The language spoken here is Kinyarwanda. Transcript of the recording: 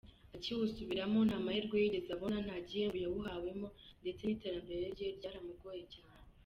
Akiwusubiramo nta mahirwe yigeze abona, nta gihembo yawuhawemo ndetse n’iterambere rye ryaramugoye cyane.